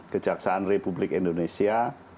kejaksaan republik indonesia